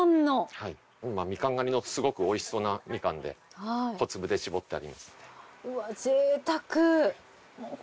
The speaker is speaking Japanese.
はいみかん狩りのすごく美味しそうなみかんで小粒で搾ってありますね。